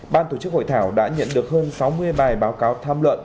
ban tổ chức hội thảo đã nhận được hơn sáu mươi bài báo cáo tham luận